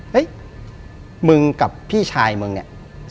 เฮ้ยมึงกับพี่ชายมึงเนี่ย